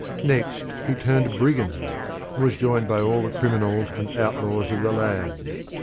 Next he turned brigand, and was joined by all the criminals and outlaws of the land.